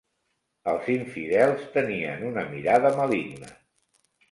Els infidels tenien una mirada maligna.